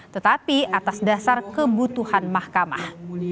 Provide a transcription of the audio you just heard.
tetapi atas dasar kebutuhan mahkamah